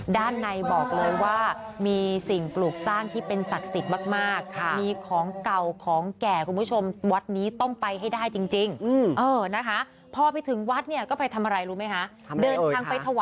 ด้านในบอกเลยว่ามีสิ่งปลูกสร้างที่เป็นศักดิ์สิทธิ์มาก